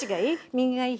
右がいい？